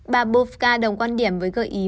bà bufka đồng quan điểm với gợi ý